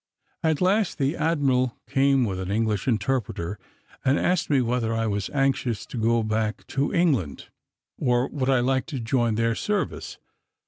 At last, the admiral came with an English interpreter, and asked me whether I was anxious to go back to England, or would I like to join their service?